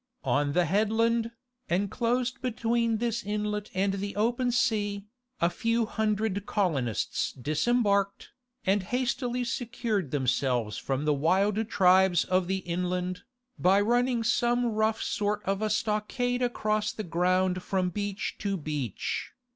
On the headland, enclosed between this inlet and the open sea, a few hundred colonists disembarked, and hastily secured themselves from the wild tribes of the inland, by running some rough sort of a stockade across the ground from beach to beach.